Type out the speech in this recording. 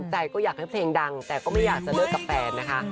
ใจก็อยากให้เพลงดังแต่ก็ไม่อยากจะเลิกกับแฟนนะคะ